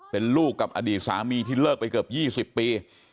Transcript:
เป็นลูกกับอดีตสามีที่เลิกไปเกือบ๒๐ปี